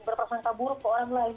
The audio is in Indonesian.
berprosangka buruk kepada orang lain